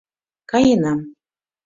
— Каенам.